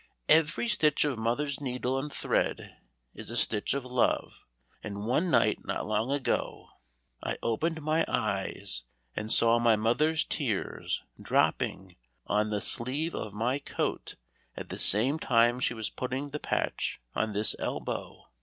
Every stitch of mother's needle and thread is a stitch of love, and one night not long ago, I opened my eyes and saw my mother's tears dropping on the sleeve of my coat at the same time she was putting the patch on this elbow.